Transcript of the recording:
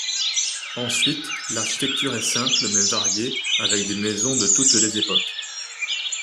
Ensuite, l'architecture est simple mais variée avec des maisons de toutes les époques.